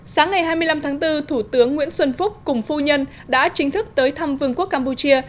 sáng ngày hai mươi năm tháng bốn thủ tướng nguyễn xuân phúc cùng phu nhân đã chính thức tới thăm vương quốc campuchia